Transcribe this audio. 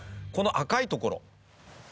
この赤い所。